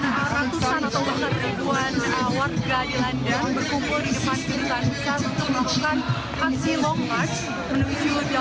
dan ratusan atau berteribuan warga di london berkumpul di depan kedutaan besar untuk melakukan aksi long march menuju downing street